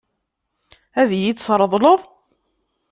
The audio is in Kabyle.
Ad iyi-tt-tṛeḍleḍ?